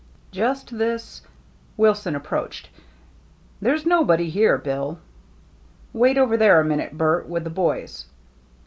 "Just this —" Wilson approached. " There's nobody here. Bill." " Wait over there a minute, Bert, with the boys.